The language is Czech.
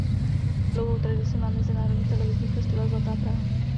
Dlouhou tradici má mezinárodní televizní festival Zlatá Praha.